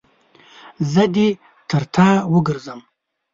زه دې تر تا وګرځم.